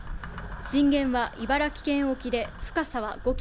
震源は茨城県沖で、深さは５ｋｍ。